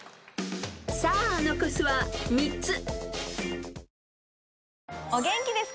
［さあ残すは３つ］